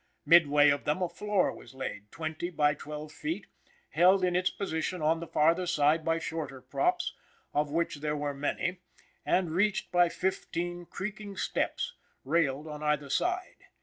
Midway of them a floor was laid, twenty by twelve feet, held in its position on the farther side by shorter props, of which there were many, and reached by fifteen creaking steps, railed on either side.